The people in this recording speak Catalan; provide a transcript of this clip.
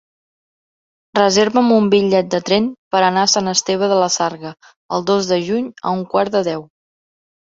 Reserva'm un bitllet de tren per anar a Sant Esteve de la Sarga el dos de juny a un quart de deu.